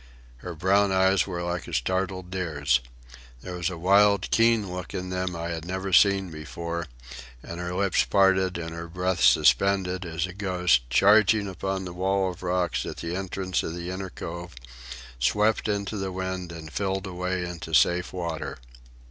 Her brown eyes were like a startled deer's. There was a wild, keen look in them I had never seen before, and her lips parted and her breath suspended as the Ghost, charging upon the wall of rock at the entrance to the inner cove, swept into the wind and filled away into safe water.